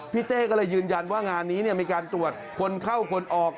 เต้ก็เลยยืนยันว่างานนี้มีการตรวจคนเข้าคนออก